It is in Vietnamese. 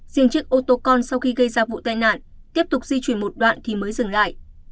riêng chiếc ô tô con sau khi gây ra vụ tai nạn tiếp tục di chuyển một đoạn thì mới dừng lại